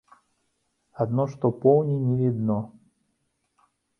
Адно што поўні не відно.